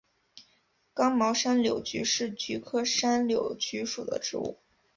刚毛山柳菊是菊科山柳菊属的植物。